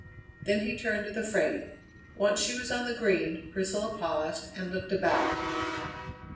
Then he turned to the freight. Once she was on the Green, Priscilla paused and looked about.